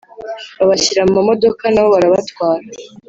babashyira mu modoka nabo barabatwara.